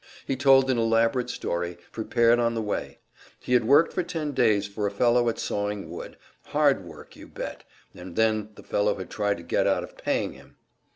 He told an elaborate story, prepared on the way; he had worked for ten days for a fellow at sawing wood hard work, you bet, and then the fellow had tried to get out of paying him!